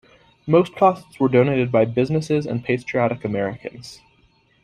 Most costs were donated by businesses and patriotic Americans.